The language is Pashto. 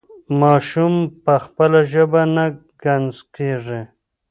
ماشوم په خپله ژبه نه ګنګس کېږي.